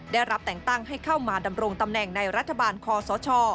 ได้รับแต่งตั้งให้เข้ามาดำรงตำแหน่งในรัฐบาลคอสช